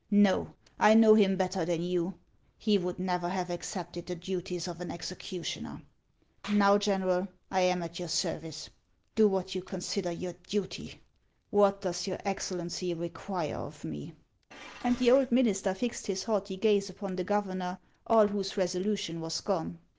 Xo, I know him better than you ; he would never have accepted the duties of an executioner. Xow, General, 272 HANS OF ICELAND. I am at your service ; do what you consider your duty. What does your Excellency require of me ?" And the old minister fixed his haughty gaze upon the governor, all whose resolution was gone.